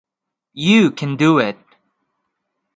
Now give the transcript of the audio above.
You can do it.